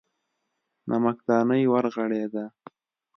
نمکدانۍ ورغړېده.